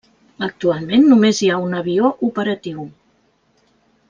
Actualment només hi ha un avió operatiu.